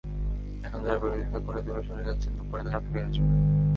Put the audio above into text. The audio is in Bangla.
এখন যাঁরা বিরোধিতা করে দূরে সরে যাচ্ছেন, পরে তাঁরা ফিরে আসবেন।